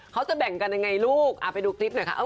เขาจะแบ่งกันยังไงลูกไปดูคลิปหน่อยค่ะ